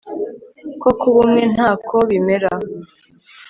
ko kuba umwe ntako bimera